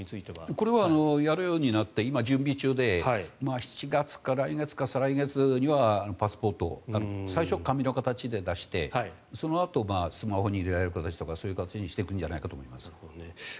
これはやるようになって今、準備中で７月か来月か再来月かパスポートが最初は紙の形で出してそのあとスマホに入れられる形とかそういう形にしていくんじゃないかと思います。